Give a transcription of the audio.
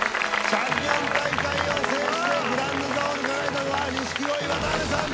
「チャンピオン大会」を制してグランド座王に輝いたのは錦鯉渡辺さん。